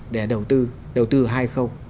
để đầu tư đầu tư hai khâu